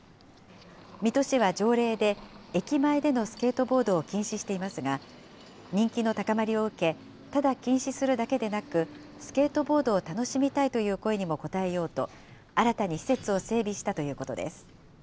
水戸市は条例で、駅前でのスケートボードを禁止していますが、人気の高まりを受け、ただ禁止するだけでなく、スケートボードを楽しみたいという声にも応えようと、新たに施設を整備したということです。